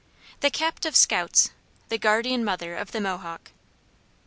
THE CAPTIVE SCOUTS THE GUARDIAN MOTHER OF THE MOHAWK.